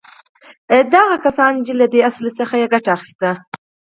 دا هغه کسان دي چې له دې اصل څخه يې ګټه اخيستې.